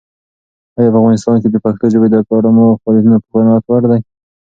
ایا په افغانستان کې د پښتو ژبې د اکاډمۍ فعالیتونه د قناعت وړ دي؟